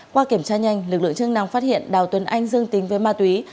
qua kiểm tra nhanh lực lượng chức năng phát hiện đào tuấn anh dương tính với ma túy